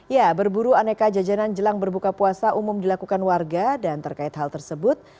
ya berburu aneka jajanan jelang berbuka puasa umum dilakukan warga dan terkait hal tersebut